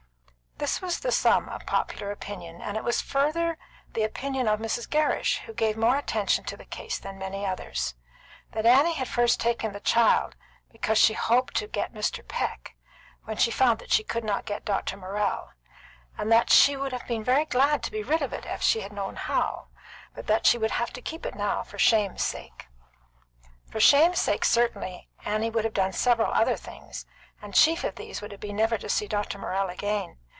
This was the sum of popular opinion; and it was further the opinion of Mrs. Gerrish, who gave more attention to the case than many others, that Annie had first taken the child because she hoped to get Mr. Peck, when she found she could not get Dr. Morrell; and that she would have been very glad to be rid of it if she had known how, but that she would have to keep it now for shame's sake. For shame's sake certainly, Annie would have done several other things, and chief of these would have been never to see Dr. Morrell again.